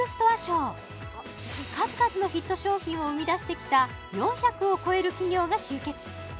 数々のヒット商品を生み出してきた４００を超える企業が集結